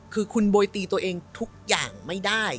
คือคุณโบยตีตัวเองทุกอย่างไม่ได้